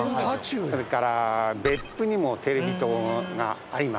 それから別府にもテレビ塔があります。